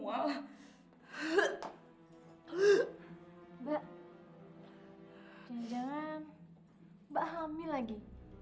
jangan jangan mbak hamil lagi